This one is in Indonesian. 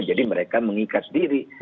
jadi mereka mengikat diri